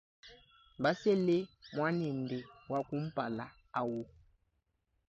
Basele muanende wa kumpala awu.